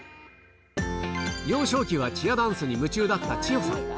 幼少期はチアダンスに夢中だったちよさん。